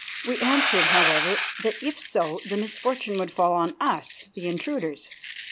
We answered, however, that if so the misfortune would fall on us, the intruders.